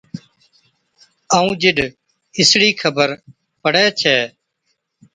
ائُون جِڏَ اِسڙِي خبر پَڙي ڇَي